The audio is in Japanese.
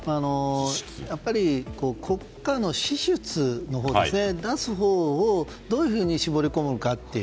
やっぱり、国家の支出出すほうを、どういうふうに絞り込むかという。